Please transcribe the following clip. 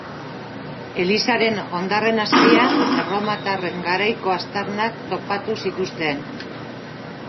Elizaren hondarren azpian, erromatarren garaiko aztarnak topatu zituzten.